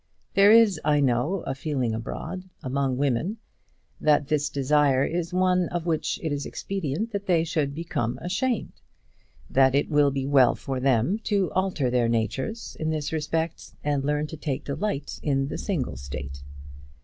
There is, I know, a feeling abroad among women that this desire is one of which it is expedient that they should become ashamed; that it will be well for them to alter their natures in this respect, and learn to take delight in the single state.